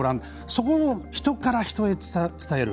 そこを人から人へ伝える。